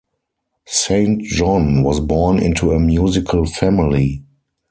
Saint John was born into a musical family.